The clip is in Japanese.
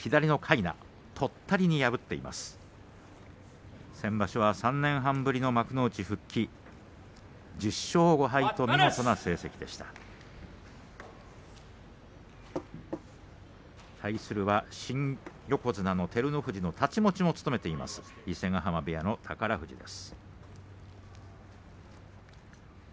対するは新横綱の照ノ富士の太刀持ちを務めています伊勢ヶ濱部屋の宝富士です。